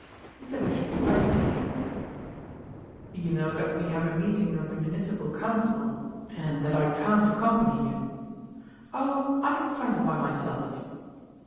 "Because I should like to see them." "You know that we have a meeting of the municipal council, and that I can't accompany you." "Oh! I can find them by myself."